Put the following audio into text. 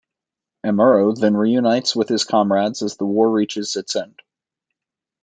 Amuro then reunites with his comrades as the war reaches its end.